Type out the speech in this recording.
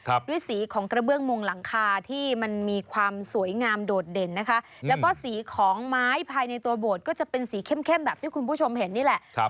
ด้วยสีของกระเบื้องมงหลังคาที่มันมีความสวยงามโดดเด่นนะคะแล้วก็สีของไม้ภายในตัวโบสถ์ก็จะเป็นสีเข้มเข้มแบบที่คุณผู้ชมเห็นนี่แหละครับ